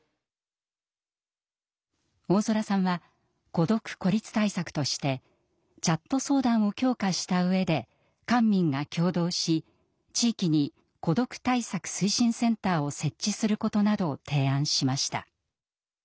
大空さんは孤独・孤立対策としてチャット相談を強化した上で官民が共同し地域に「孤独対策推進センター」を設置することなどを提案しました。